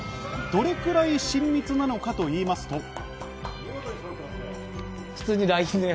どれくらい親密なのかと言いますと。